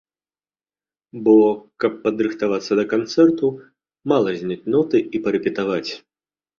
Бо каб падрыхтавацца да канцэрту, мала зняць ноты і парэпетаваць.